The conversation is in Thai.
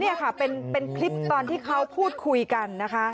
นี่ค่ะเป็นคลิปตอนที่เขาพูดคุยกันนะคะ